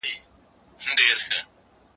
لا کومول ته په غوسه په خروښېدو سو